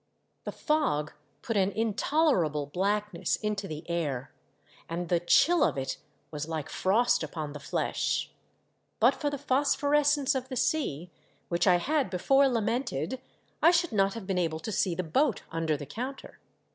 The fog put an intolerable blackness into the air, and the chill of it was like frost upon the flesh. But for the phosphorescence of the sea, which I had before lamented, I should not have been able to see the boat under the counter.